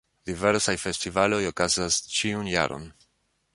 Diversaj festivaloj okazas ĉiun jaron.